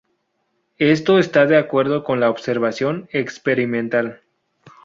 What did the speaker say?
Esto está de acuerdo con la observación experimental.